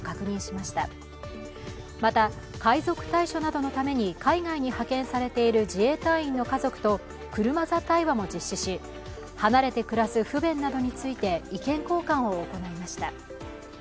また、海賊対処などのために海外に派遣されている自衛隊員の家族と車座対話も実施し、離れて暮らす不便などについて意見交換を行いました。